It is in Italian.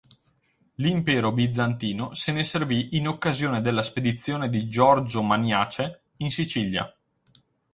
L'impero bizantino se ne servì in occasione della spedizione di Giorgio Maniace in Sicilia.